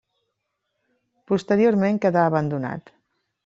Posteriorment quedà abandonat.